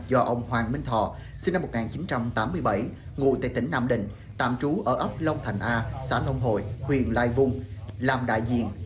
do ông hoàng minh thọ sinh năm một nghìn chín trăm tám mươi bảy ngụ tại tỉnh nam đình tạm trú ở ấp long thành a xã long hồi huyện lai vung làm đại diện